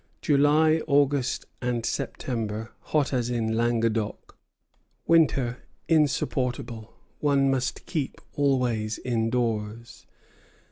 July, August, and September, hot as in Languedoc: winter insupportable; one must keep always indoors.